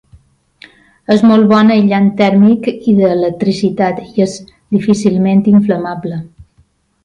És molt bon aïllant tèrmic i de l'electricitat i és difícilment inflamable.